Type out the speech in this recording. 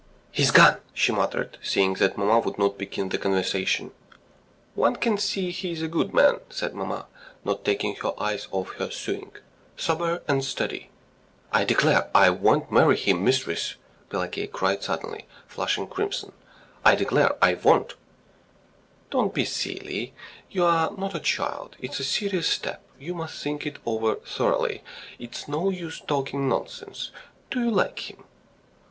"He's gone," she muttered, seeing that mamma would not begin the conversation. "One can see he is a good man," said mamma, not taking her eyes off her sewing. "Sober and steady." "I declare I won't marry him, mistress!" Pelageya cried suddenly, flushing crimson. "I declare I won't!" "Don't be silly; you are not a child. It's a serious step; you must think it over thoroughly, it's no use talking nonsense. Do you like him?"